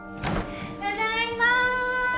ただいま！